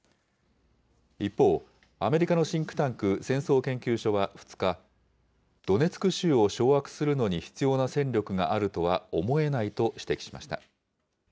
一方、アメリカのシンクタンク、戦争研究所は２日、ドネツク州を掌握するのに必要な戦力があるとは思えないと指摘しました。